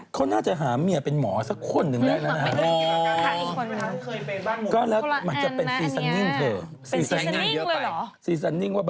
เขาน่าจะหาเมียเป็นหมอสักคนหนึ่งแหละนะ